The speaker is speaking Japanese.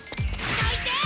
どいて！